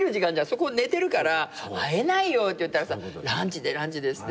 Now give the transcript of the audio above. そこ寝てるから会えないよって言ったらさ「ランチでランチです」って。